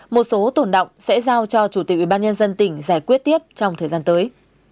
một số tổn động sẽ giao cho chủ tịch ubnd tỉnh giải quyết tiếp trong thời gian tới